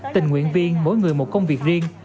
tình nguyện viên mỗi người một công việc riêng